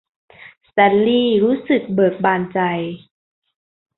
สแตนลีย์รู้สึกเบิกบานใจ